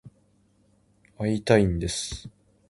会いたいんです。